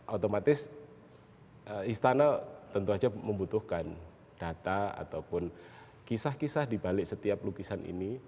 otomatis istana tentu saja membutuhkan data ataupun kisah kisah dibalik setiap lukisan ini